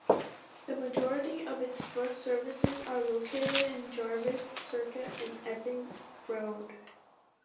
The majority of its bus services are located in Jarvis Circuit and Epping Road.